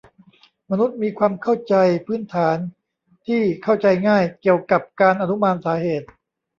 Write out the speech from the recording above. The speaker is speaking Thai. มนุษย์มีความเข้าใจพื้นฐานที่เข้าใจง่ายเกี่ยวกับการอนุมานสาเหตุ